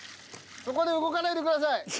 そこで動かないでください。